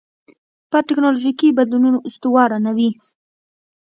پر ټکنالوژیکي بدلونونو استواره نه وي.